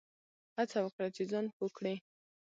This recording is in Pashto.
هڅه وکړه چي ځان پوه کړې !